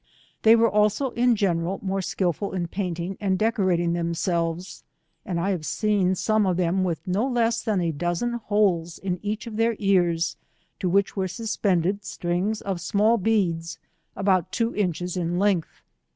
They were also in general more skilful in painiing and decorating themsclvesj and I have seen some of them with no less than a dozen holes in each of their ears to which were suspended strings of small beads about two inches in leoglh.